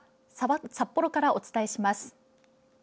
札幌からお伝えします。